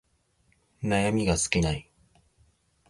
悩みが尽きない